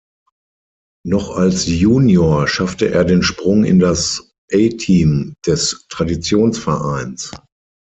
Noch als Junior schaffte er den Sprung in das A-Team des Traditionsvereins.